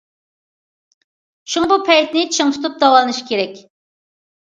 شۇڭا، بۇ پەيتنى چىڭ تۇتۇپ داۋالىنىش كېرەك.